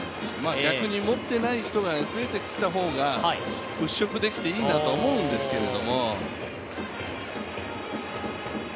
逆に持っていない人が増えてきた方が、ふっしょくできていいなと思うんですけど。